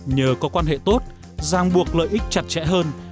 nhờ có quan hệ tốt giang buộc lợi ích chặt chẽn